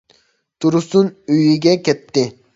تۇرسۇن ئۆيىگە كەتتى.